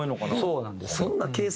そうなんです。